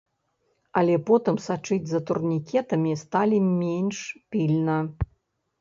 Але потым сачыць за турнікетамі сталі менш пільна.